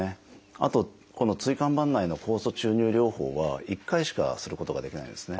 あとこの椎間板内酵素注入療法は１回しかすることができないんですね。